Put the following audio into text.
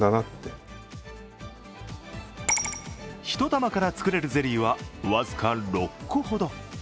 １玉から作れるゼリーは僅か６個ほど。